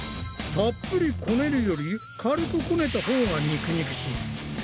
たっぷりこねるより軽くこねたほうが肉々しい。